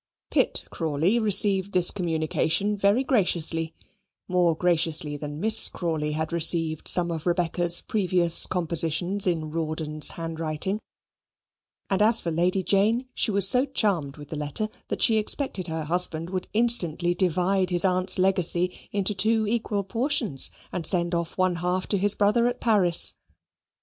Pitt Crawley received this communication very graciously more graciously than Miss Crawley had received some of Rebecca's previous compositions in Rawdon's handwriting; and as for Lady Jane, she was so charmed with the letter that she expected her husband would instantly divide his aunt's legacy into two equal portions and send off one half to his brother at Paris.